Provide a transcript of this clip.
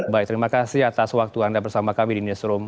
baik terima kasih atas waktu anda bersama kami di newsroom